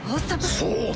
そうだ。